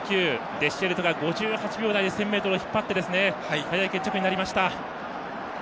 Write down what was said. デシエルトが５８秒台で１０００ｍを引っ張って早い決着になりました。